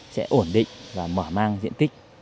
sẽ ổn định và mở mang diện tích